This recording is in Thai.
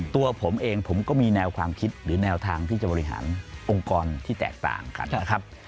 ตัวผมเองผมก็มีแนวความคิดหรือแนวทางที่จะบริหารองค์กรที่แตกต่างกันนะครับ